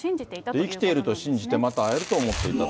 生きていると信じて、また会えると思っていたと。